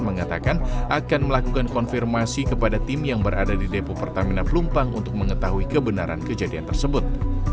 mengatakan akan melakukan konfirmasi kepada tim yang berada di depo pertamina pelumpang untuk mengetahui kebenaran kejadian tersebut